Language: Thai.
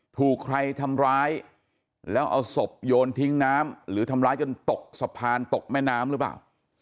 ถูกใครทำร้ายแล้วเอาศพโยนทิ้งน้ำหรือทำร้ายจนตกสะพานตกแม่น้ำหรือเปล่า